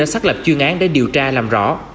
xác lập chuyên án để điều tra làm rõ